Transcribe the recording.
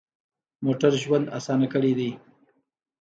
موټر ژوند اسان کړی دی.